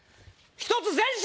１つ前進！